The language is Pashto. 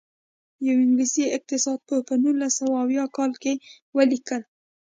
یوه انګلیسي اقتصاد پوه په نولس سوه اویاووه کال کې ولیکل.